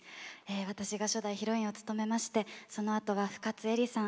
私が初代ヒロインを務めましてそのあとは、深津絵里さん